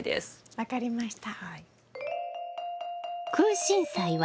分かりました。